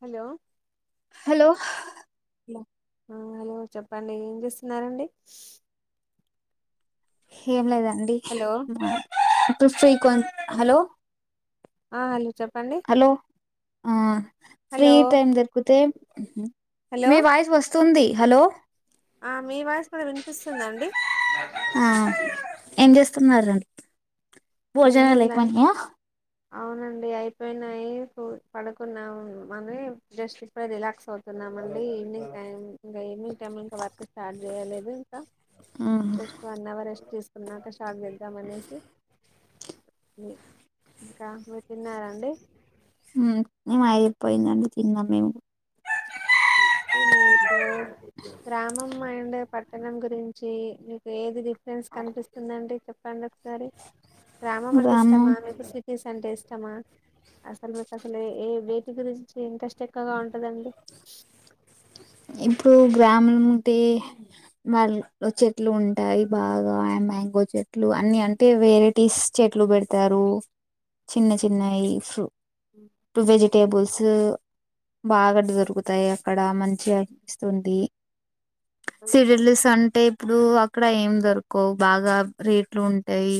Hollow hello ఆ hello చెప్పండి ఏం చేస్తున్నారండి ఏం లేదండి హలో ఇప్పుడు ఫ్రీ కొ హలో ఆహ్ హలో చెప్పండి హలో ఆ ఫ్రీ హలో టైమ్ దొరికితే హలో మీ వాయిస్ వస్ స్తుంది హలో ఆహ్ మీ వాయిస్ కూడా వినిపిస్తుందండి ఆ ఏం చేస్తున్నారండి ఏం భోజనాలు లేదులేండి అయిపోయినాయా అవునండి అయిపోయినాయి కు పడుకున్నాం మరి జస్ట్ ఇప్పుడే రిలాక్స్ అవుత్ తున్నామండి ఈవినింగ్ టైం ఇంకా ఈవినింగ్ టైమ్ ఇంకా వర్క్ స్టార్ట్ చేయలేదు ఇంకా జస్ట్ వన్ అవర్ రెస్ట్ తిసుకున్నాక స్టార్ట్ చేద్దాం అనేసి ఇంకా మి ఆహ్ అయిపోయిందండి, తిన్నాం మేము కూడా మీకు గ్రామం అండ్ పట్టణం గురించి మీకు ఏది డిఫ్ డిఫ్రెండ్స్ కనిపిస్తుందండి చెప్పండి ఒకసారి గ్రామం అంటే ఇష్టామా మీకు సిటీస్ అంటే ఇష్ టమా అసలు మీకు అసలు ఏ వేటి గురించి ఇంట్రెస్ట్ ఎక్కువగా ఉంటదండి ఇప్పుడు గ్రామమ్ ఉంటే వాళ్ళ చెట్లు ఉంటాయి బాగా ఆ మ్యాంగో చెట్లు అన్ని అంటే వెరైటీస్ చె ట్లు పెడతారు చిన్న చిన్నవి ప్రు టు వెజిటేబుల్స్ బాగా దొరుగుతాయి అక్కడ మంచిగా అనిపిస్తుంది సిడిలెస్ అంటే ఇప్పుడు అక్కడ ఏం దొరకవు బాగా రేట్లు ఉంటాయి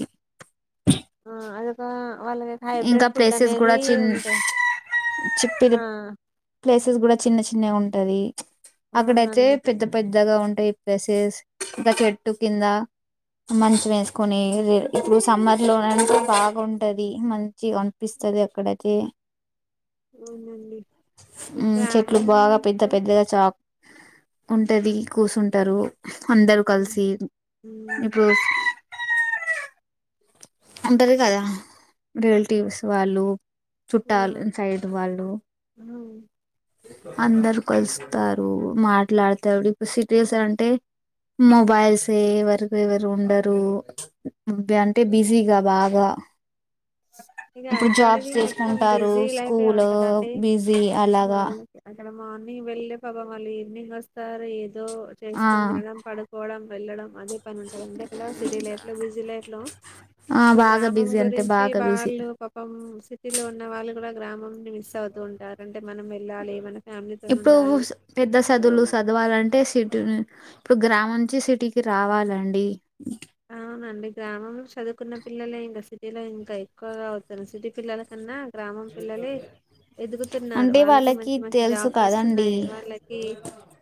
ఆహ్ అదొకా వాళ్ళకి ఇంకా హైబ్రిడ్ ఫుడ్ ప్లేసెస్ కూడా అనేది చిన్ ఉంటాయి ఆహ్ చూసి కూడా చిన్న చిన్నగా ఉంటది అక్కడయితే అవునండి పెద్ద పెద్ పెద్దగా ఉంటాయి ప్లేసెస్ ఇంకా చెట్టు కింద మంచి వేసుకొని ఇప్పుడు సమ్మర్ లోనాంటే బాగుంటది మంచి గా అనిపిస్తది అక్కడైతే అవునండి ఇప్పుడు చెట్లు బాగా పెద్ద గ్రామంతో పెద్దగా చాక్ ఉంటది కూసుంటరు అందరు కలిసి ఇప్పుడు ఉంటది కదా రియల్టివ్స్ వాళ్ళు చుట్టాల్ ఆ న్ సైడ్ వాళ్ళు అందరు కలుస్తారు, మాట్లాడతాడు, ఇప్పుడు సిటీయస్ అంటే మొబైల్స్ ఏ ఎవరకు ఎవరు ఉండరు. బ అంటే బిజీగా బాగా. ఇక ఇప్పుడు జాబ్స్ అక్కడిది మొత్తం చేసుకుంటారు బిజీ లైఫే స్కూలు బిజీ అలాగా ఇక్కడ మార్నింగ్ వెళ్ళి, పపం వాళ్ళు ఈవినింగ్ వస్తారు. ఏదో ఆ చేసుకొని, తినడం, పడుకోవడం, వెళ్ళడం. అదే పని ఉంటది అండి అక్కడ సిటీ లైఫ్ లో బిజీ లైఫ్ లో. ఆ సో బాగా గ్రామం బిజీ అంటే గురించి బాగా బా బిజీ వీళ్లు పాపం సిటీ లో ఉన్న వాళ్ళు కూడా గ్రామంని మిస్ అవుతూ ఉంటారండి. ఇప్పుడు పెద్ద సో సదువులు సదవాలంటే సిటు ఇప్పుడు గ్రామ నుంచి సిటీకి రావాలండి. అవునండి గ్రామం లో చదువుకున్న పిల్లలే ఇంక సి టీలో ఇంకా ఎక్కువగా అవుతున్ సిటీ పిల్లల కన్నా గ్రామం పిల్లలే ఎదుగుతున్నారు. అంటే వాళ్ళకి మంచి మంచి తెలుసు జాబ్స్ కదండి వస్తున్నాయి, వాళ్ళకి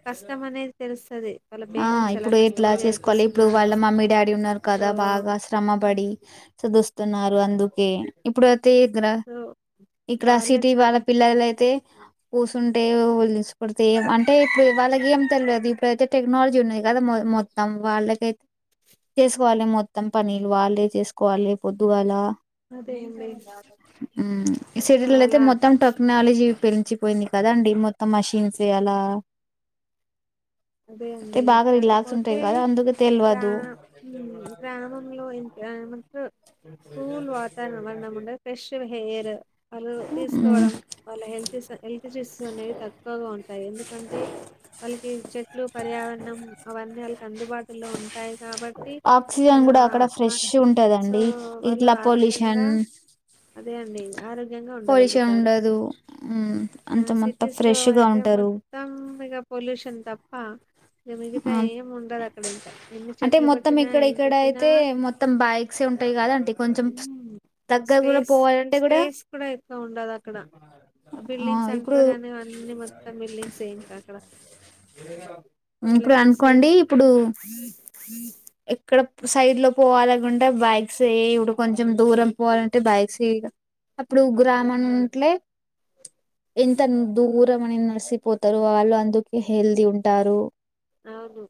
కష్టం అనేద్ తెలుస్తది. వాళ్ళ ఆ పేరెంట్స్ ఎలా కష్టపడి చదిపిస్తున్నారు అడి ఉన్నారు సో కదా బాగా, శ్రమ పడి చుదుస్తున్నారు అందుకే. ఇప్పుడు తీగ్ర సో ఇక్కడ వాళ్ళే సిటీ వాళ్ళ చాలా పిల్లల అయితే పూసుంటే ఉలిసి పడితే, అంటే ఇప్పుడు వాళ్ళకి ఏం తెల్వదు ఇప్పుడైతే టెక్నాలజీ ఉన్నది కదా మో మొత్తం వాళ్ళకె చేసుకోవాలి మొత్తం పనీలు వాళ్ళే చేసుకోవాలి పొద్దుగాలా. అదే అండి సో సిటీలుల అయితే అలా మొత్తం టెక్నాలజీ పెంచిపోయింది కదాండి మొత్తం మషిన్స్ ఏ అలా అదే తే అండి బాగా రిలాక్స్ కాకపోతే ఉంటయి కదా అందుకు గ్రా ఉ గ్రామంలో ఇంక ఏ రు కూల్ వాతావరణం మనం ఉండే ఫ్రెష్ హెయిర్ వాళ్ళు ఉమ్, తీసుకోవడం వాళ్ళ హెల్త్ స్ హెల్త్ ఇష్యూస్ అనేవి తక్కువగా ఉంటాయి. ఎందుకంటే వాళ్ళకి చె ట్లూ పర్యావరణం అవన్ని ఆల్కి అందుబాటులో ఉంటాయి కాబ ఆక్సిజన్ కూడ అక్కడ ఫ్రెష్ సో ఉంటదండి. వాళ్ళు ఇట్ల ఆరోగ్యంగా పొల్యూషన్ అదే అండి ఇగ పోలిష ఉండదు ఉ ఆ అంత మొత్తం ఫ్రెష్ గా ఉంటరు పైగా పోల్యూషన్ త ఇ ఆ, మిగతా ఏం ఉండదు అక్కడ ఇంక, ఎన్ని అంటే చెట్లు మొత్తం పట్టినా ఏం చెప్పినా క్సే ఉంటాయి కదా అండి కొంచెం ఉమ్ దగ్గర కూడా స్పేస్ పోవాలంటే కూడా స్పేస్ కూడ ఎక్కువ ఉండదు అక్కడ ఆ బిల్డింగ్స్ ఇప్పుడు అంటరు గానీ అన్నీ మొత్తం బిల్డింగ్స్ ఇంక అక్కడ ఇప్పుడె అనుకోండి ఇప్పుడు హ ఎక్కడ సైడ్ ల పోవాలకుంటే బైక్స్ ఏ ఇపుడు కొంచెం దూరం పోవాలంటే బైక్స్ ఏ ఇగ అప్పుడు గ్రామం ఉంట్లే ఎంతన్ దూరం అని నడిసిపోతారు వాళ్ళు అందుకే హెల్తీ ఉంటారు అవును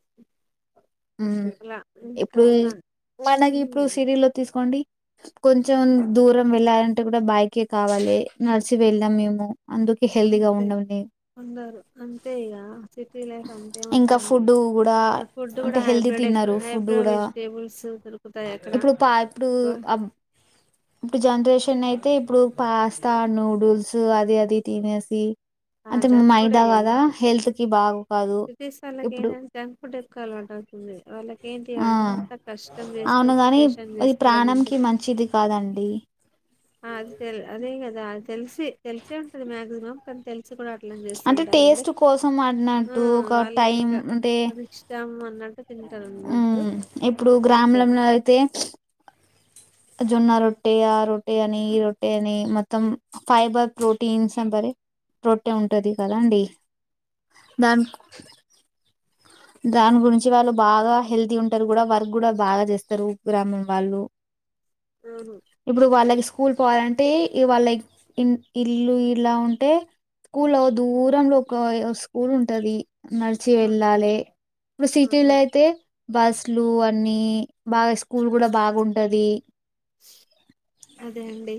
ఉమ్. లా ఇప్పుడు మనకి ఇప్పుడు సీరియల్ తీసుకు డి కొంచెం దూరం వెళ్ళాలంటే కూడా, బైకె కావాలి నడిసి వెళ్లం మేము. అందుకే హెల్దీగా అంతే ఉండండి ఉండరు అంతే ఇగ సిటీ లైఫ్ అంతే ఇంకా ఉంటదండి. ఫుడ్ కూడా అక్కడ ఫుడ్ అంటే కూడా హెల్దీ హైబ్రిడ్ తిన్నారు ఫుడ్ హైబ్రో కూడా వెజిటేబుల్స్ దొరుకుతాయి అక్కడ ఇప్పుడు పా ఇప్పుడు ఓ ఇప్పుడు జనరేషన్ అయితే ఇప్పుడు పాస్తా నూడుల్స్ అది అది తినేసి ఆ అంటే జంక్ ఫుడ్ మైదా కదా హెల్త్ కి బాగు కాదు ప్రదేశాలకి ఏ ఇప్పుడు జంక్ ఫుడ్ ఎక్కాల ంది వాళ్ళ [unintelligible] ఏంటి ఆ అంతా కష్టం చేస్తే అవును గాని ఉపషం అది చేసుకోవడం ప్రాణంకి ఎందుకు మంచిది కాదండి అది తెల్ అదే అదా అ తెల్సి తెల్సే ఉంటది మ్యాక్సిమమ్ కనీ తెల్స కూడా అట్లా చేస్తూ ఉంటారండి ఆడినట్టు ఒక టైం అంటే అది ఇష్టం అన్నట్టు తింటారు ఉ అన్నట్టు ఇప్పుడు అంతే గ్రామంలో అయితే జొన్నా రొట్టె ఆ రొట్టె అని ఈ రొట్టె అని మొత్తం ఫైబర్ ప్రోటీన్స్ అపరి రొట్టే ఉంటది కదాండి దాని దాని గురించి వాళ్ళు బాగా హెల్తీ ఉంటారు కూడా వర్క్ కూడా బాగా చేస్తారు గ్రామం వాళ్ళు అవును ఇప్పుడు వాళ్ళకి స్కూల్ పోవాలంటే వాళ్ళ ఇల్లు ఇలా ఉంటే స్కూల్ దూరంలో ఒక స్కూల్ ఉంటది నడిచి అవును, వెళ్ళాలి ఇప్పుడు అవును. సిటీలో అయితే బస్లు అన్నీ బాగా స్కూల్ కూడా బాగుంటది అదే అండి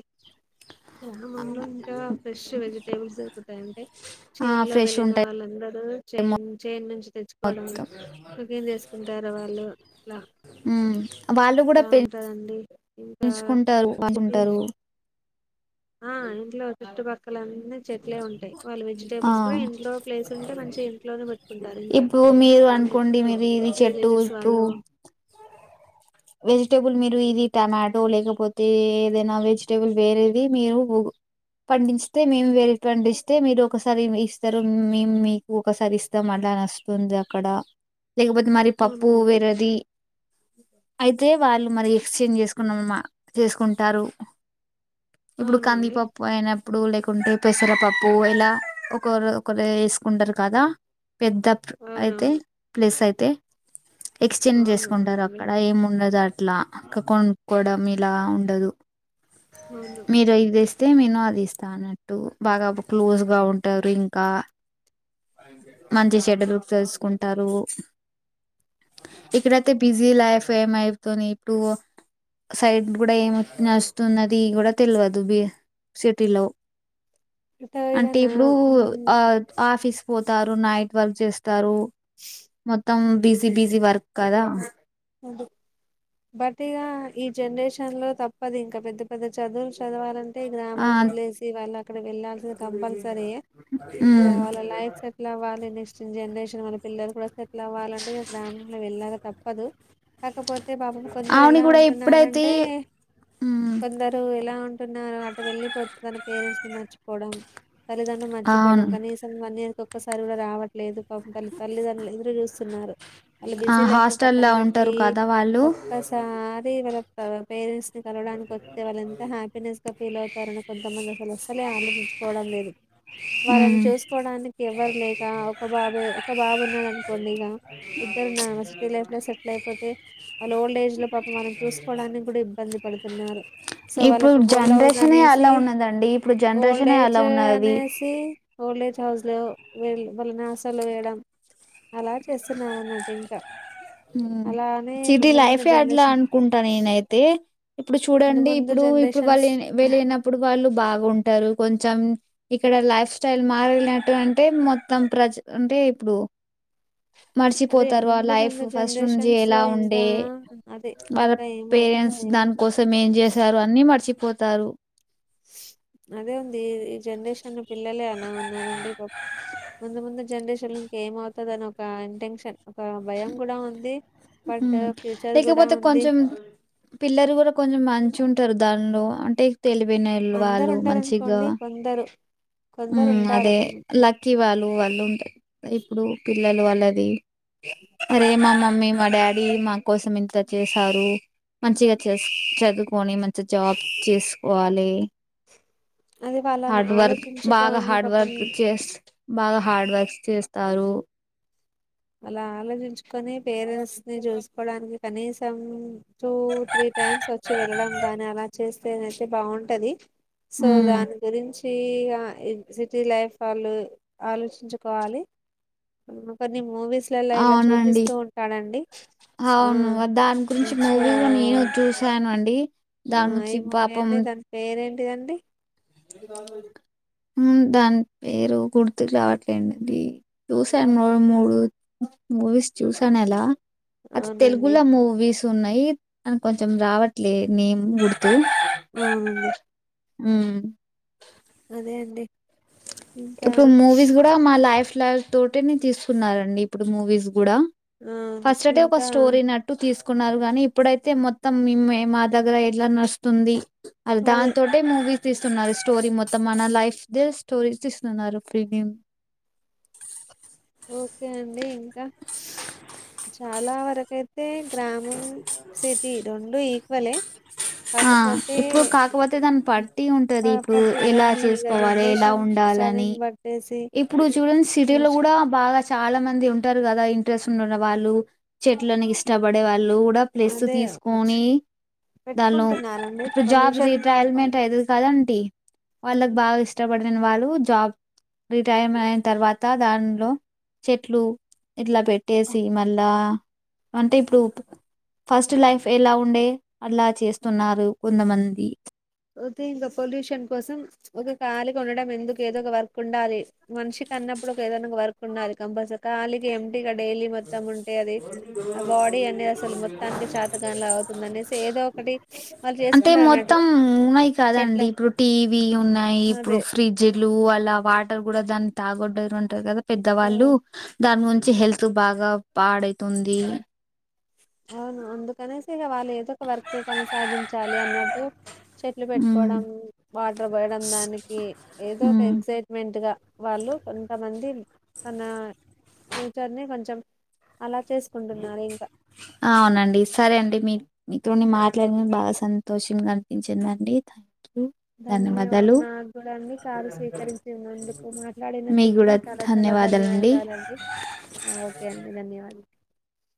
గ్రామంలో ఇంకా ఫ్రెష్ వెజిటేబుల్స్ దరుకుతాయంటే ఆ చేైన్ లో ఫ్రెష్ వెళ్ళిన ఉంటాయి వాళ్ళందరుూ చైన్ చైన్ నుంచి తెచ్చుకోవడం మొత్తం ఒకకేం చేసుకుంటారు వాళ్ళు ఇలా ఉ వాళ్ళు కూడా ఇలా పె ఉంటదండి ఇంకా పెంచుకుంటారు సిటీ పంచుకుంటారు ఆ ఇంట్లో చుట్టు పక్కల చెట్లే ఉంటాయి వాళ్ళు ఆ వెజిటేబుల్స్ కూడా ఇంట్లో ప్లేస్ ఉంటే మంచిగా ఇంట్లోనే పెట్టుకుంటారు ఇంకా ఇప్పుడు మీరు వాళ్ళు అనుకోండి మీరు ఇది ఈ చెట్టు విలేజెస్ ఉప్పు వాళ్ళు వెజిటేబుల్ మీరు ఇది టమాటో లేకపోతే ఏదైనా వెజిటేబుల్ వేరేది మీరు పండించిే మేము వేరే పండిస్తే మీరు ఒకసారి ఇస్తారు మేము మీకు ఒకసారి ఇస్తాం అంట చ నష్టంది అక్కడ లేకపోతే మరి పప్పు అవునండి వేరేది అయితే వాళ్ళు మరి ఎక్స్చేంజ్ చేసుకున్నమా చేసుకుంటారు ఇప్పుడు అవునండి కందిపప్పు అయినప్పుడు లేకపో కుంటే పెసల పప్పు ఇలా ఒకరు ఒకరు వేసుకుంటారు కదా పెద్ద అయితే అవునవును ప్లేస్ అయితే ఎక్స్చేంజ్ చేసుకుంటారు అవునవునండి అక్కడ ఏము ఉండదు అట్లా కొనుోడం ఇలా ఉండదు అవును మీరు ఇది అయితే నేను అది ఇస్తా అన్నట్టు బాగా క్లోజ్ గా ఉంటారు ఇంకా మంచి చెడ్డలు తెలుసుకుంటారు ఇక్కడైతే బిజీ లైఫ్ ఏమ అయితుని ఇప్పుడు సైడ్ కూడా ఏమి నస్తున్నది కూడా తెలియదు బి సిటీలో అంటే అదేవిధంగా ఇప్పుడు ఆ ఆఫీస్ పోతారు నైట్ వర్క్ చేస్తారు మొత్తం బిజీ బిజీ వర్క్ కదా ఇడి [unintelligible] బట్ ఇక ఈ జనరేషన్ లో తప్పదు ఇంకా పెద్ద పెద్ద చదువులు చదవాలని అంటే ఆ గ్రామం వదిలేసి వాళ్ళు అక్కడ వెళ్లాాల్సింది కంపల్సరీ అద ఉమ్ వాళ్ళ లైఫ్ సెట్లు అవ్వాలిని ఇష్ట వ జనరేషన్ మన పిల్లలు కూడా సెట్ల్ అవ్వాలంటే ఇ గ్రామంలో వెళ్ళక తప్పదు కాకపోతే పాపం కొందరు ఆవిని ఎలా కూడా ఎప్పుడైతే ఉంటున్నంటే ఉమ్ కొందరు ఎలా ఉంటు చన్నారు అటు వెళ్ళిపోతే తన పేరెంట్స్ ని మర్చిపోవడం తల్లిదండ్రులు మర్చిపోవడం అవును కనీసం వన్ ఇయర్ కి ఒక్కసారి కూడా రావట్లేదుల్ తల్లిదండ్రలు ఎదురు చూస్త ఆ హాస్టల్ లా పెట్టి ఉంటారు కదా వాళ్ళు ఒక్కసారి వాళ్ళ పేరెంట్స్ ని కలవడానికి వస్తే వాళ్ళ ఎంత హ్యాపీినెస్ ఫీల్ అవుతారని కొంతమంది అసలు అస్సలే ఆలోచించుకోవడం లేదు వళని ఉమ్ చూసుకోవడానికి ఎవరు లే ఒక బాబు ఒక బాబు ఉన్నాడు అనుకోండి ఇక ఇద్దరున్నా లైఫ్ లో సెటిల్ అయిపో మ్మ్ హ్ వాళ్ళు ఓల్డ్ ఏజ్ లో పాపం మనం చూసుకోవడానికి కూడా ఇబ్బంది పడుతున్నారు సో ఇప్పుడు వాళ్ళకు ఓల్డ్ హౌస్ జనరేషనే అలా అనేసి ఉన్నదండి ఇప్పుడు జనరేషనే ఓల్డ్ఏజ్ అలా ఉన్నది అనేసి ఓల్డేజ్ హౌస్ లో వీళ్లందరిని అసలు వేయడం అలా చేస్తున్నారన్నట్టు ఇంకా మ్మ్ హ్ అలానే సిటీ ముందు ముందు లైఫే అట్లా జనరేషన్ అనుకుంటా నేనైతే ఇప్పుడు ముందు చూడండి ముందు ఇప్పుడు జనరేషన్స్ వాళ్ళు వెళ్లినప్పుడు వాళ్ళు బాగుంటారు కొంచెం ఇక్కడ లైఫ్ స్టైల్ మారలంటే అంటే మొత్తం ప్రజలు అంటే ఇప్పుడు అదే మర్చిపోతారు వాళ్ళ ముందు లైఫ్ ముందు ఫస్ట్ నుంచి జనరేషన్స్ ఎలా లో ఇంకా ఉండే అదే వాళ్ళ ఇంకా ఏమవుతుందో పేరెంట్స్ ఏమో దాని కోసం ఏం చేశారు అన్ని మర్చి పోతారు అదేందీ ఈ జనరేషన్ పిల్లలే అలా ఉన్నారండి ముందు ముందు జనరేషన్ ఇంక ఏమవుతదో అని ఒక ఇంటెన్షన్ ఒక భయం కూడా ఉంది బట్ మ్మ్ ఫ్యూచర్ కూడా లేకపోతే ఉంది కొంచెం పిల్లలు కూడా కొంచెం మంచి ఉం ఉంటారు దాన్లో అంటే తెలివైనోళ్లు అందరు వాళ్ళు మంచిగా ఉండారనుకోండి కొందరు కొందరు మ్మ్ ఉంటారు అదే పాపం లక్కీ వాళ్ళు వాళ్ళు ఉంటారు ఇప్పుడు పిల్లలు వాళ్లది మరే మా మమ్మీ మా డాడీ మా కోసం ఇంత చేసారు మంచిగా చదువుకొని మంచి జాబ్ చేసుకోవాలి అది వాళ్ళని హార్డ్ వర్క్ బాగా ఆలోచించుకొని హార్డ్ పాపం వర్క్ చేస్త్ బాగా హార్డ్ వర్క్ చేస్తారు అలా ఆలోచించుకొని పేరెంట్స్ ని చూసుకోడానికి కనీసం టూ త్రీ టైమ్స్ వచ్చి వెళ్లడం గాని అలా చేస్తే అయితే బాగుంటది సో హ్మ్. దాని గురించి ఫ్రీ గా సిటీ లైఫ్ వాళ్ళు ఆలోచించుకోవాలి ఈ మూవీస్లల్లో ఇలా అవునండి. చూపిస్తూ ఉంటాడండి ఆ అవును దాని గురించి సో మూవీలు నేను చూసాను అండి ఆ దాని గురించి ఏమో మూవి అండి దాని పేరేంటిదండి ఇది కాదే మ్మ్ దాని పేరు గుర్తు రావట్లేదండి చూసాను రెండు మూడు మూవీస్ చూసాను అలా అది అవునండి తెలుగులో మూవీస్ ఉన్నాయి అని కొంచెం రావట్లే నేమ్ గుర్తు మ్మ్ హ్హ్ మ్మ్ అదే అండి ఇంకా ఇప్పుడు మూవీస్ కూడా మా లైఫ్ లాంటివే తీసుకున్నారండి ఇప్పుడు మూవీస్ కూడా ఆ ఫస్ట్ డే ఒక ఇంకా స్టోరీ నడిపి తీసు కున్నారు గాని ఇప్పుడైతే మొత్తం మే మా దగ్గర ఎట్లా నడుస్తుంది అది అదే దాని తోటే మూవీ తీస్తున్నారు స్టోరీ మొత్తం మన లైఫ్ దే స్టోరీ తీస్తు స్తున్నారు ప్రీమియమ్ ఓకే అండి ఇంకా ప్చ్ చాలా వరకు అయితే గ్రామం సిటీ రెండు ఈక్వలే ఆ కాకపోతే ఇప్పుడు కాకపోతే దాన్ని పట్టి ప ఉంటది ఇప్పుడు ఎలా చేసుకోవాలి ఎలా ఉండ సడెన్ బర్డ్రెస్ ఇప్పుడు చూడండి సిటీలు కూడా బాగా చాలా మంది ఉంటారు కదా ఇంట్రెస్ట్ ఉన్న వాళ్ళు చెట్లని ఇష్టపడే వాళ్ళు ఇంక ప్లెస్ అదే తీసుకొని దాన్లో పెట్టుకుంటున్నారండి ఇప్పుడు జాబ్ పొల్యూషన్ రీట్రయల్ మెంట్ కాక అయితది కదండి వాళ్ళకి బాగా ఇష్టపడిన వాళ్ళు జాబ్ రిటైర్ అయిన తర్వాత దానిలో చెట్లు ఇట్లా పెట్టేసి మళ్ళా అంటే ఇప్పుడు [unintelligible] ఫస్ట్ లైఫ్ ఎలా ఉండే అలా చేస్తున్నారు. కొంతమంది ఓతే ఇంకా పొల్యూషన్ కోసం ఒకె కాలిగా ఉండడం, ఎందుకు ఏదో ఒక వర్క్ ఉండాలి. మనిషికన్నా ఇప్పుడు ఒక ఏదనంగా వర్క్ ఉండలి కంపల్సరి ఖాళీగా ఏం ఇక డైలీ మొత్తం ఉంటే, అది ఆ బాడీ అనేది అసలు మొత్తానికి శతకానిలాగ అవుతుందనేసి. ఏది ఏదో ఒకటి స్ అంటే బ మొత్తం ఉన్నాయి కదండి ఇప్పుడు టీవీ ఉన్నాయి ఇప్పుడు అదే ఫ్రిడ్జ్లు వల్లు లా వాటర్ గుడా దాని తాగొడరు అంటారు కదా! పెద్దవాళ్ళు ఉమ్, దాన్నుంచి హెల్త్. ల్త్ బాగా పాడైతుంది అంతే గా వాళ్ళు ఏదో ఒక వర్క్ కొనసాగించాలి అన్నట్టు చెట్లు ఉమ్ పెట్టుకోవడం, వాటర్ పోయడం దానికి ఏదో ఒక ఉమ్ ఎక్సైట్మెంట్గా వాళ్లు కొంతమంది తనా ఫ్యూచర్ని కొంచెం అలా చేసుకుంటున్నారు ఇంకా అవునండి? సరే అండి మీ మీతోని మాట్లాడిన బాగా సంతోషంగా అనిపించిందండి, థ్యాంక్. [unintelligible] ధన్యవా ధన్యవాదాలు నాగుడండి కాల్ స్వీకరించినందుకు మీకు మాట్లాడినందుకుడా కూడా చాలా ధన్యవాదాలండి ఓకే అండి ధన్యవాద్